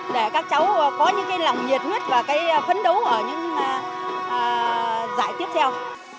để các cháu có những cái lòng nhiệt huyết và cái phấn đấu ở những giải tiếp theo